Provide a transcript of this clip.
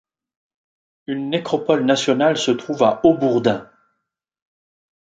Une nécropole nationale se trouve à Haubourdin.